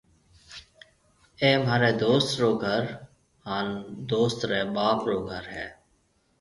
اَي مهاريَ دوست رو گھر هانَ دوست ريَ ٻاپ رو گھر هيَ۔